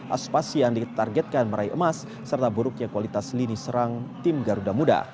aspasi yang ditargetkan meraih emas serta buruknya kualitas lini serang tim garuda muda